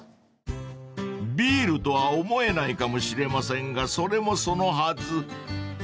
［ビールとは思えないかもしれませんがそれもそのはず］